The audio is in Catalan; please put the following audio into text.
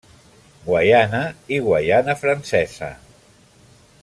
Guaiana i Guaiana Francesa.